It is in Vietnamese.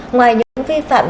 ngoài những vi phạm